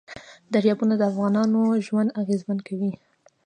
دریابونه د افغانانو ژوند اغېزمن کوي.